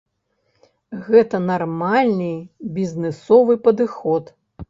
Гэта нармальны бізнэсовы падыход.